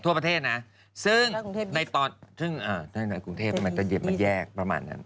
ทั่วประเทศนะซึ่งในตอนซึ่งในกรุงเทพทำไมตอนเย็นมันแยกประมาณนั้น